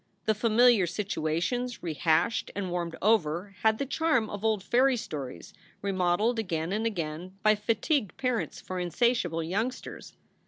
The familiar situations rehashed and warmed over had the charm of old fairy stories remodeled again and again by fatigued parents for insatiable youngsters.